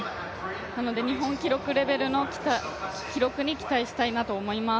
なので日本記録レベルの記録に期待したいなと思います。